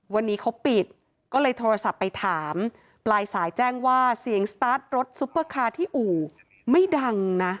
วันนี้เขาปิดก็เลยโทรศัพท์ไปถามปลายสายแจ้งว่าเสียงสตาร์ทรถซุปเปอร์คาร์ที่อู่ไม่ดังนะ